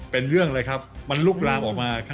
เป็นเรื่องเลยครับ